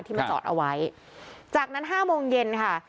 มาจอดเอาไว้จากนั้นห้าโมงเย็นค่ะ